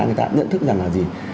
người ta nhận thức rằng là gì